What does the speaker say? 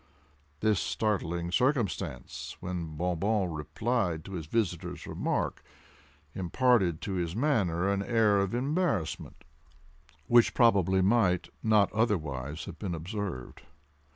This startling circumstance, when Bon Bon replied to his visitor's remark, imparted to his manner an air of embarrassment which probably might, not otherwise have been observed.